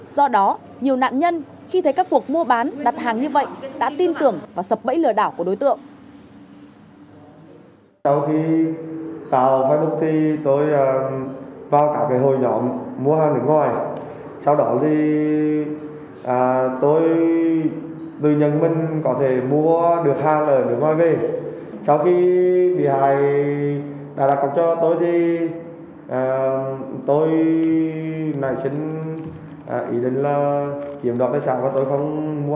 do đó nhiều nạn nhân khi thấy các cuộc mua bán đặt hàng như vậy đã tin tưởng và sập bẫy lừa đảo của đối tượng